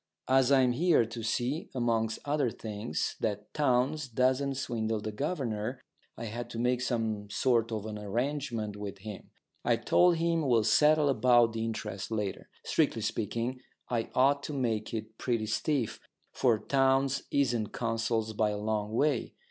As I'm here to see, amongst other things, that Townes doesn't swindle the governor, I had to make some sort of an arrangement with him. I've told him we'll settle about the interest later. Strictly speaking, I ought to make it pretty stiff, for Townes isn't Consols by a long way.